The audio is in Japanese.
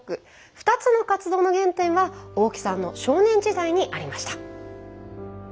２つの活動の原点は大木さんの少年時代にありました。